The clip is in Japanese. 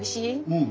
うん。